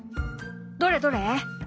どれどれ？